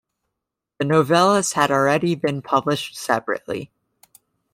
The novellas had already been published separately.